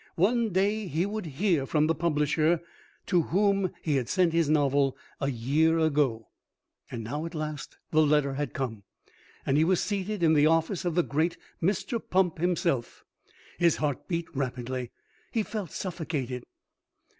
One day he would hear from the publisher to whom he had sent his novel a year ago. And now at last the letter had come, and he was seated in the office of the great Mr. Pump himself. His heart beat rapidly. He felt suffocated.